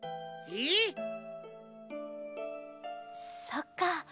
そっか